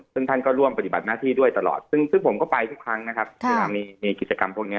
ซึ่งท่านก็ร่วมปฏิบัติหน้าที่ด้วยตลอดซึ่งผมก็ไปทุกครั้งนะครับเวลามีกิจกรรมพวกนี้